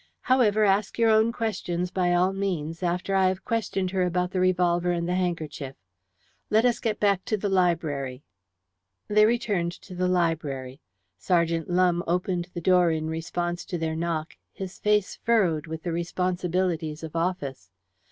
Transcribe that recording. However, ask your own questions, by all means, after I have questioned her about the revolver and the handkerchief. Let us get back to the library." They returned to the library. Sergeant Lumbe opened the door in response to their knock, his face furrowed with the responsibilities of office.